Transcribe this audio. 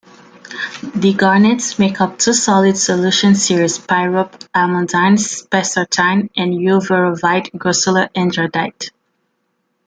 The garnets make up two solid solution series: pyrope-almandine-spessartine and uvarovite-grossular-andradite.